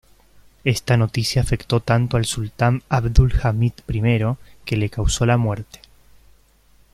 Esta noticia afectó tanto al sultán Abdul Hamid I que le causó la muerte.